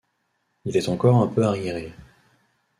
Il est encore un peu arriéré.